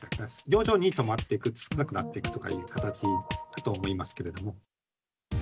徐々に止まっていく、少なくなっていくという形だと思いますけれども。